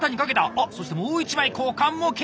あっそしてもう一枚股間もケア！